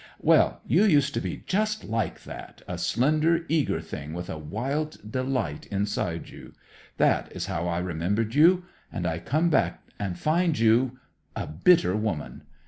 Well, you used to be just like that, a slender, eager thing with a wild delight inside you. That is how I remembered you. And I come back and find you a bitter woman.